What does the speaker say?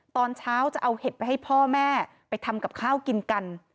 ตอนเช้าจะเอาเห็ดไปให้พ่อแม่ไปทำกับข้าวกินกัน